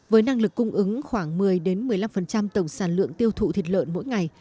với năng lực cung ứng khoảng một mươi một mươi năm tổng sản lượng tiêu thụ thịt lợn mỗi ngày